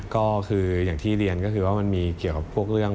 ก็คืออย่างที่เรียนมีเกี่ยวกับเรื่อง